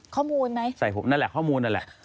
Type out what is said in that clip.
ข้อมูลไหมใส่ผมนั่นแหละข้อมูลนั่นแหละ